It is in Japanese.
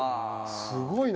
すごいな。